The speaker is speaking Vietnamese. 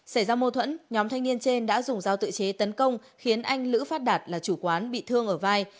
xảy ra mâu thuẫn nhóm thanh niên trên đã dùng dao tự chế tấn công khiến anh lữ phát đạt là chủ quán bị thương ở vai